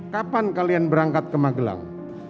kapan kalian berangkat ke magelang